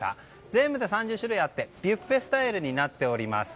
全部で３０種類あってビュッフェスタイルになっております。